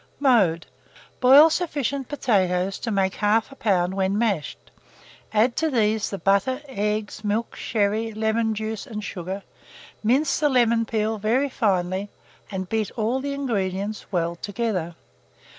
Mode. Boil sufficient potatoes to make 1/2 lb. when mashed; add to these the butter, eggs, milk, sherry, lemon juice, and sugar; mince the lemon peel very finely, and beat all the ingredients well together.